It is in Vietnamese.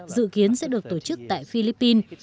dự kiến sẽ được tổ chức tại philippines